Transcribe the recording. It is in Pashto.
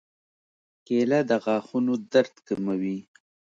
کېله د غاښونو درد کموي.